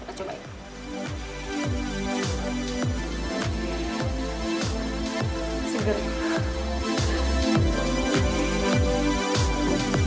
sampai jumpa di video selanjutnya